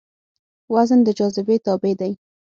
وزن د جاذبې تابع دی.